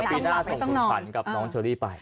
อย่าปีหน้าส่งสุภัณฑ์กับน้องเชอรี่ไป